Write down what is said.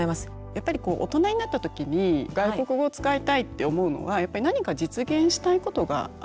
やっぱり大人になった時に外国語を使いたいって思うのはやっぱり何か実現したいことがあるんですよね。